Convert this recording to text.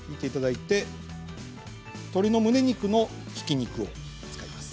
鶏のむね肉のひき肉を使います。